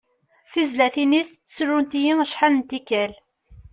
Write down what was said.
Tizlatin-is srunt-iyi acḥal n tikal.